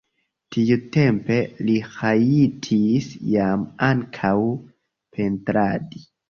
Tiutempe li rajtis jam ankaŭ pentradi.